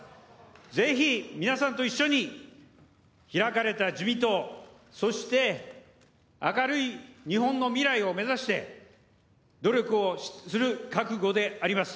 ぜひ皆さんと一緒に、開かれた自民党、そして明るい日本の未来を目指して、努力をする覚悟であります。